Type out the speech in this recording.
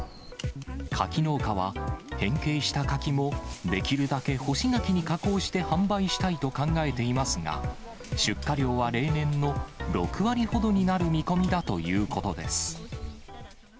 柿農家は変形した柿もできるだけ干し柿に加工して販売したいと考えていますが、出荷量は例年の６割ほどになる見込みだということです。